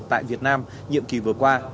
tại việt nam nhiệm kỳ vừa qua